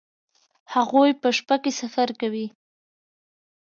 هغوی په شپه کې سفر کوي